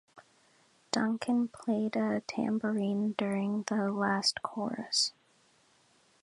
Duncan played a tambourine during the last chorus.